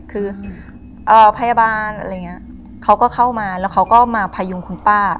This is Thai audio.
คือพยาบาลเขาก็เข้ามาแล้วเขาก็มาพยุงคุณป้า